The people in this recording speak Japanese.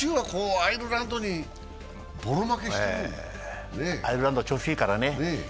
アイルランド調子いいからね。